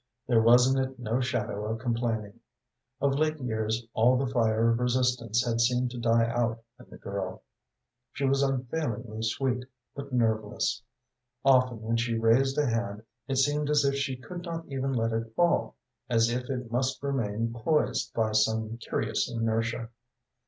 There was in it no shadow of complaining. Of late years all the fire of resistance had seemed to die out in the girl. She was unfailingly sweet, but nerveless. Often when she raised a hand it seemed as if she could not even let it fall, as if it must remain poised by some curious inertia.